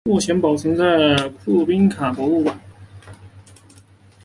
目前保存在库宾卡博物馆。